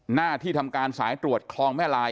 หน้าที่ทำการสายตรวจคลองแม่ลาย